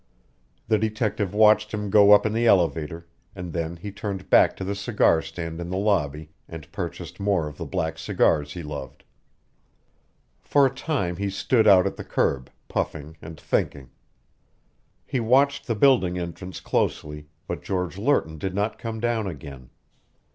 The detective watched him go up in the elevator, and then he turned back to the cigar stand in the lobby and purchased more of the black cigars he loved. For a time he stood out at the curb, puffing and thinking. He watched the building entrance closely, but George Lerton did not come down again.